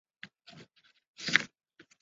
他们被早期的探险家用数字编号。